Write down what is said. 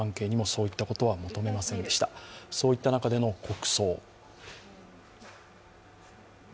そういった中での国葬。